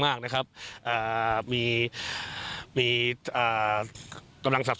สมุทรสอนยังแข็งแรง